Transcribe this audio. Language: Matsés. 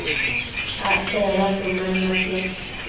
acte dada cuëman natiad